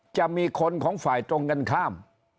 จะมีคนของฝ่ายตรงกันข้าม